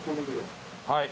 はい。